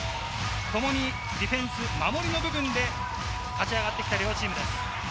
ともにディフェンス、守りの部分で勝ち上がってきた両チームです。